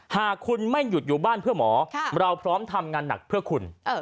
หากคุณไม่หยุดอยู่บ้านเพื่อหมอเราพร้อมทำงานหนักเพื่อคุณ